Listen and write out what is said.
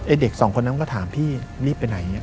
ไอ้เด็ก๒คนนั้นก็ถามพี่รีบไปไหน